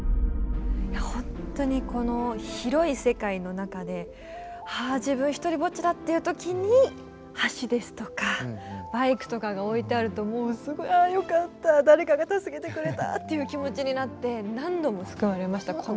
ほんとにこの広い世界の中で「あ自分ひとりぼっちだ」っていう時に橋ですとかバイクとかが置いてあるともうすごい「あよかった誰かが助けてくれた」っていう気持ちになって何度も救われました